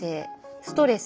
ストレス